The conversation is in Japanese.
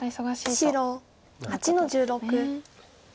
白８の十六。